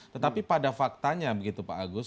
tetapi pada faktanya begitu pak agus